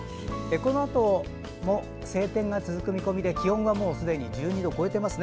このあとも晴天が続く見込みで気温はもうすでに１２度を超えていますね。